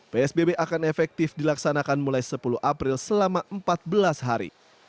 psbb akan efektif dilaksanakan mulai sepuluh april selama empat belas hari